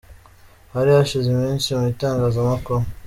Hari hashize iminsi mu itangazamakuru.